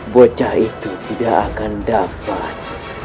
bocah itu tidak akan dapat